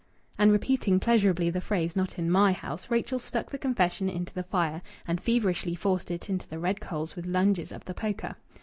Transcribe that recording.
And, repeating pleasurably the phrase "not in my house," Rachel stuck the confession into the fire, and feverishly forced it into the red coals with lunges of the poker.